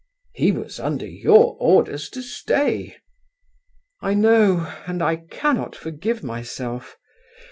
"He was under your orders to stay." "I know, and I cannot forgive myself.